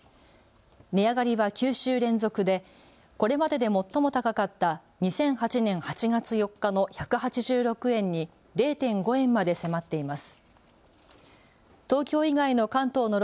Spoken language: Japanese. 値上がりは９週連続でこれまでで最も高かった２００８年８月４日の１８６円に０．５円まで迫っています。